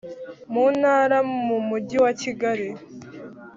Mu ntara mu mujyi wa kigali